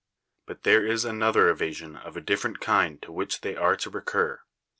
But there is another evasion of a different kind to which they are to recur.